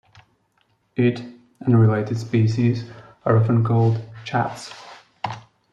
It, and related species, are often called chats.